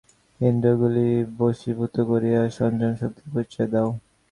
ইন্দ্রিয়গুলি বশীভূত করিয়া সংযমশক্তির পরিচয় দাও।